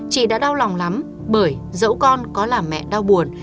chị đã đau lòng lắm bởi dẫu con có làm mẹ đau buồn